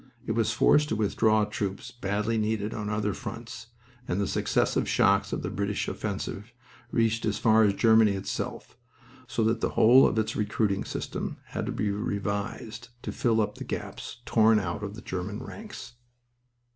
It was forced to withdraw troops badly needed on other fronts, and the successive shocks of the British offensive reached as far as Germany itself, so that the whole of its recruiting system had to be revised to fill up the gaps torn out of the German ranks.